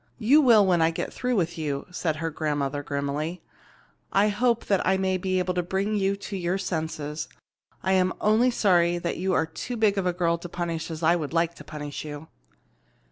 "You will when I get through with you," said her grandmother grimly. "I hope I may be able to bring you to your senses. I am only sorry you are too big a girl to punish as I would like to punish you."